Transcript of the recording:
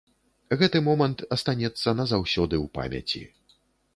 Гэты момант астанецца назаўсёды ў памяці.